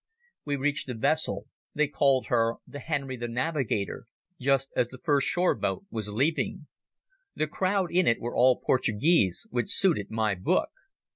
We reached the vessel—they called her the Henry the Navigator—just as the first shore boat was leaving. The crowd in it were all Portuguese, which suited my book.